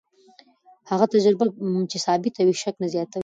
هره تجربه چې ثابته وي، شک نه زیاتوي.